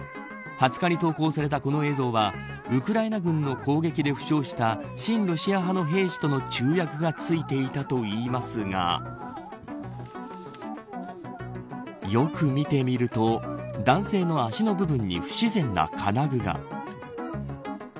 ２０日に投稿されたこの映像はウクライナ軍の攻撃で負傷した親ロシア派の兵士との注訳がついていたといいますがよく見てみると男性の足の部分に不自然な金具が。